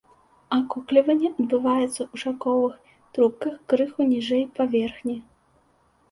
Акукліванне адбываецца ў шаўковых трубках, крыху ніжэй паверхні.